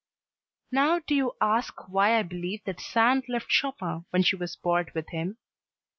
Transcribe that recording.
Now do you ask why I believe that Sand left Chopin when she was bored with him?